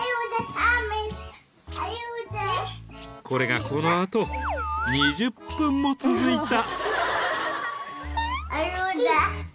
［これがこのあと２０分も続いた］